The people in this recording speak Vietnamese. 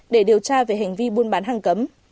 để điều tra về hành vi buôn bán hàng cấm